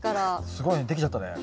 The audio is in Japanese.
すごいねできちゃったね。